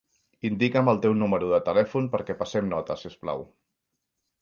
Indica'm el teu número de telèfon perquè passem nota, si us plau.